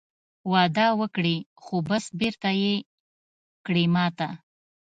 وعده وکړې خو بس بېرته یې کړې ماته